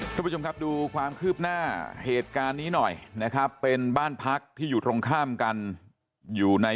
คุณผู้ชมครับดูความคืบหน้าเหตุการณ์นี้หน่อยนะครับเป็นบ้านพักที่อยู่ตรงข้ามกันอยู่ใน